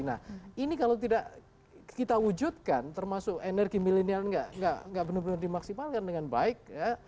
nah ini kalau tidak kita wujudkan termasuk energi milenial nggak benar benar dimaksimalkan dengan baik ya